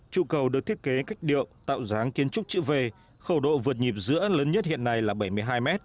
trụ cầu được thiết kế cách điệu tạo dáng kiến trúc chữ về khẩu độ vượt nhịp giữa lớn nhất hiện nay là bảy mươi hai m